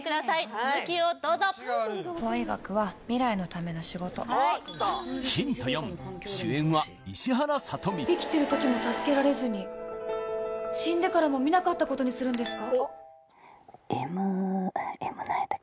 続きをどうぞ法医学は未来のための仕事生きてる時も助けられずに死んでからも見なかったことにするんですか？